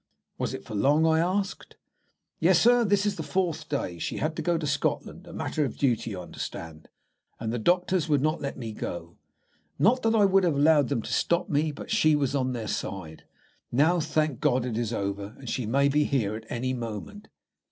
"Was it for long?" I asked. "Yes, sir. This is the fourth day. She had to go to Scotland. A matter of duty, you understand, and the doctors would not let me go. Not that I would have allowed them to stop me, but she was on their side. Now, thank God! it is over, and she may be here at any moment."